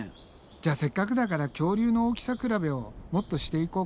じゃあせっかくだから恐竜の大きさ比べをもっとしていこうか。